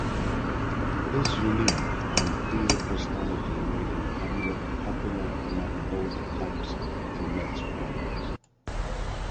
His unique on-field personality made him popular among both Cubs and Mets fans.